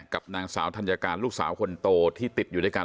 กับนางสาวธัญการลูกสาวคนโตที่ติดอยู่ด้วยกัน